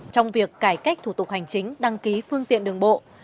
trong việc cải cách thủ tục hành chính đăng ký phương tiện đường bộ